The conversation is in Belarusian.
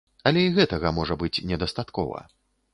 Але і гэтага можа быць недастаткова.